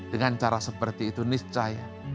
dengan cara seperti itu niscaya